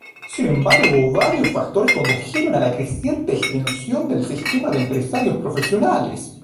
Sin embargo varios factores condujeron a la creciente extensión del sistema de empresarios profesionales.